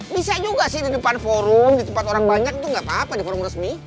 bisa juga sih di depan forum di tempat orang banyak tuh gapapa di forum resmi